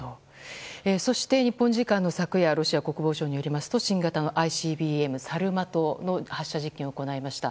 そして日本時間の昨夜ロシア国防省によりますと新型のＩＣＢＭ発射実験を行いました。